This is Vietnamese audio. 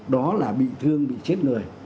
đó là bị thương bị chết người